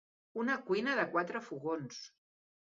Una cuina de quatre fogons.